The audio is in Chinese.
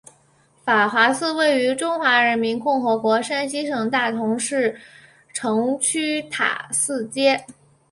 法华寺位于中华人民共和国山西省大同市城区塔寺街。